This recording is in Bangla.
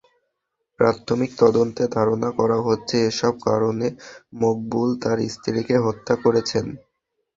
প্রাথমিক তদন্তে ধারণা করা হচ্ছে, এসব কারণে মকবুল তাঁর স্ত্রীকে হত্যা করেছেন।